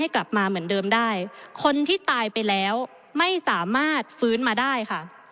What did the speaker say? คนที่ตายไปแล้วไม่สามารถฟื้นมาได้ค่ะ